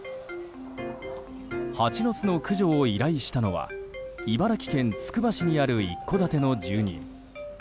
ハチの巣の駆除を依頼したのは茨城県つくば市にある一戸建ての住人。